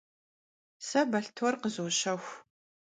Se balhtor khızoşexu.